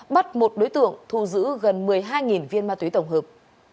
bắt một đối tượng thu giữ gần một mươi hai viên ma túy tổng hợp